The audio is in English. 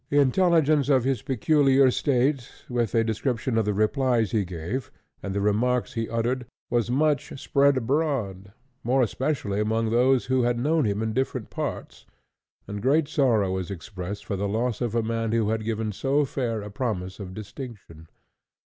Intelligence of his peculiar state, with a description of the replies he gave, and the remarks he uttered, was much spread abroad, more especially among those who had known him in different parts, and great sorrow was expressed for the loss of a man who had given so fair a promise of distinction.